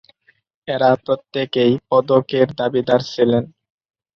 এঁরা প্রত্যেকেই পদকের দাবিদার ছিলেন।